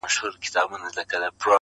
مار هغه دم وو پر پښه باندي چیچلى٫